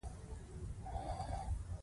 دوی به ویل اوه ښځې او یو نر انجینر دی.